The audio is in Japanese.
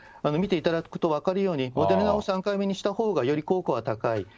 見ていただくと分かるように、モデルナを３回目にしたほうが、より効果は高い。